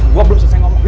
gue belum selesai ngomong